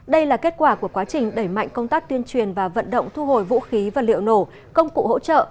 đây là kết quả của quá trình đẩy mạnh công tác tuyên truyền và vận động thu hồi vũ khí và liệu nổ công cụ hỗ trợ